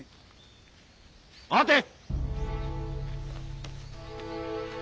待て！